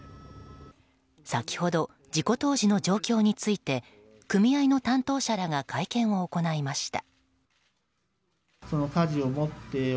先ほど事故当時の状況について組合の担当者らが会見を行いました。